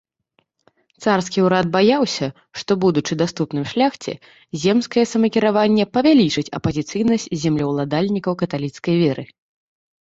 Царскі ўрад баяўся, што, будучы даступным шляхце, земскае самакіраванне павялічыць апазіцыйнасць землеўладальнікаў каталіцкай веры.